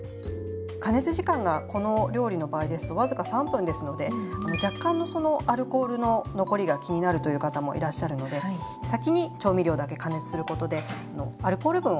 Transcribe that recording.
加熱時間がこの料理の場合ですと僅か３分ですので若干のそのアルコールの残りが気になるという方もいらっしゃるので先に調味料だけ加熱することでアルコール分をとばします。